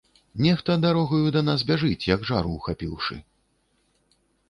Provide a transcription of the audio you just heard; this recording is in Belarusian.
Нехта дарогаю да нас бяжыць, як жару ўхапіўшы.